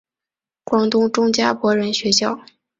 广东中加柏仁学校。